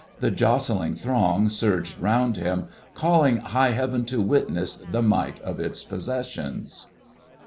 The jostling throng surged round him, calling high heaven to witness the might of its possessions.